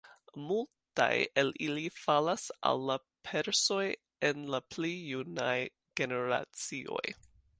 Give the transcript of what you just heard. Multaj el ili falas al la persoj en la pli junaj generacioj.